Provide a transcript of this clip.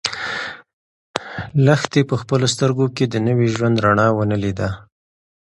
لښتې په خپلو سترګو کې د نوي ژوند رڼا ونه لیده.